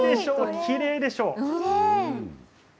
きれいでしょ？